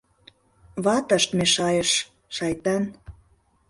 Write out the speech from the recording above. Ватышт мешайыш, шайтан.